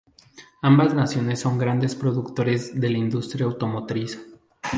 Ambas naciones son grandes productores de la industria automotriz.